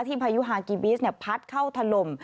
พายุฮากิบิสพัดเข้าถล่ม